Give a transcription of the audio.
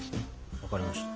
分かりました。